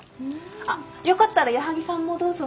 あっよかったら矢作さんもどうぞ。